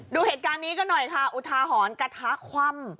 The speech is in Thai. ดูเหตุการณ์นี้กันหน่อยค่ะอุทาหรณ์กระทะคว่ำ